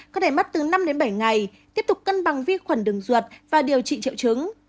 có thể mất từ năm đến bảy ngày tiếp tục cân bằng vi khuẩn đường ruột và điều trị triệu chứng